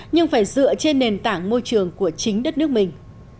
nhưng phải dựa trên nền tảng môi trường của chính đất nước mình